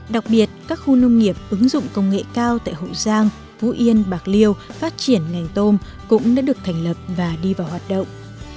đặc biệt các khu nông nghiệp ứng dụng công nghệ cao tại hậu giang phú yên bạc liêu phát triển ngành tôm cũng đã được thành lập và đi vào hoạt động